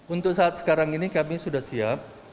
untuk saat sekarang ini kami sudah siap